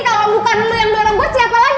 kalau bukan lo yang dorong buat siapa lagi